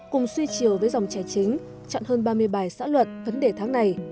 cùng suy chiều với dòng trẻ chính chọn hơn ba mươi bài xã luận vấn đề tháng này